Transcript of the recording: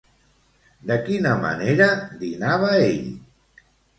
De quina manera dinava ell?